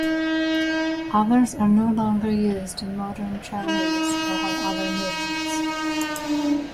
Others are no longer used in modern Chinese or have other meanings.